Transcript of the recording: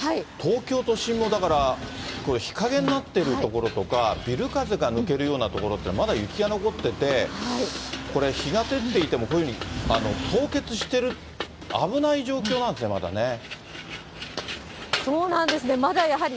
東京都心もだから、これ、日陰になってる所とか、ビル風が抜けるような所っていうのはまだ雪が残ってて、これ、日が照っていても、こういうふうに凍結してる危ない状況なんですね、まだね。